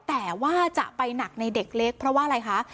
แต่ว่าจะไปหนักในเด็กเล็กเพราะว่าอะไรคะ